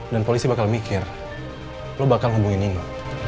dan polisi bakal mikir lo bakal hubungin ino